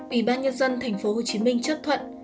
ủy ban nhân dân tp hcm chấp thuận